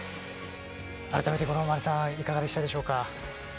改めて、五郎丸さんいかがでしたでしょうか？